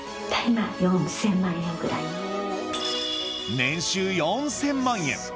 年収４０００万円！